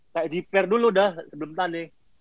kayak jiper dulu dah sebelum tani